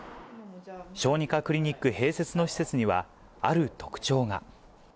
小児科クリニック併設の施設には、ある特徴が。